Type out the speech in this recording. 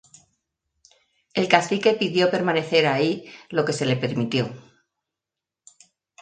El cacique pidió permanecer ahí lo que se le permitió.